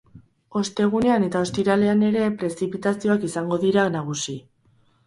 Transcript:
Ostegunean eta ostiralean ere, prezipitazioak izango dira nagusi.